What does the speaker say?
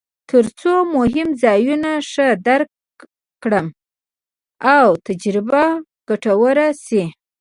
ترڅو مهم ځایونه ښه درک کړم او تجربه ګټوره شي.